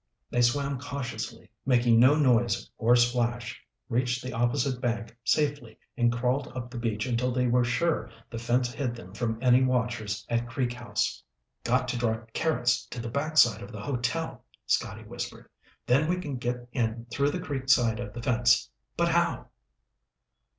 They swam cautiously, making no noise or splash, reached the opposite bank safely and crawled up the beach until they were sure the fence hid them from any watchers at Creek House. "Got to draw Carrots to the back side of the hotel," Scotty whispered. "Then we can get in through the creek side of the fence. But how?"